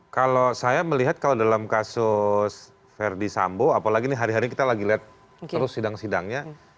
kalau saya melihat kalau dalam kasus verdi sambo apalagi ini hari hari kita lagi lihat terus sidang sidangnya